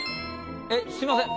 えっすみません